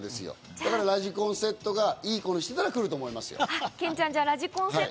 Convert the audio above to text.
だからラジコンセットが、いい子にしてたら来ると思いますよ。